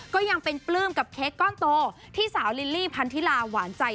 ก็ยังเป็นปลื้มกับเค้กก้อนโตที่สาวลิลลี่พันธิลาหวานใจ